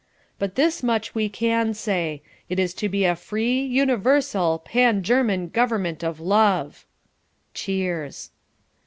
"But this much we can say. It is to be a free, universal, Pan German Government of love." Cheers.